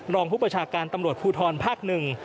รองผู้ประชาการตำรวจภูทรภาคหนึ่ง